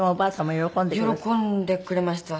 喜んでくれました。